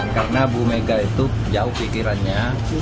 karena bu mega itu jauh pikirannya